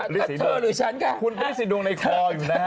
ฤทธิ์สีดวงในคลออยู่นะฮะ